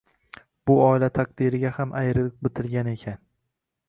Bu oila taqdiriga ham ayriliq bitilgan ekan